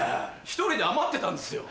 １人で余ってたんですよ。